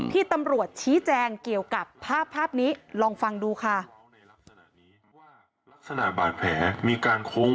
ที่ตำรวจชี้แจงเกี่ยวกับภาพภาพนี้ลองฟังดูค่ะ